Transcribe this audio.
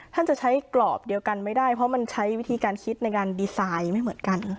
จะใช้กรอบเดียวกันไม่ได้เพราะมันใช้วิธีการคิดในการดีไซน์ไม่เหมือนกัน